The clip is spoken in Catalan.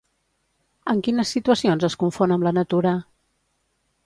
En quines situacions es confon amb la natura?